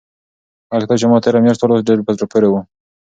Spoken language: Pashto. هغه کتاب چې ما تېره میاشت ولوست ډېر په زړه پورې و.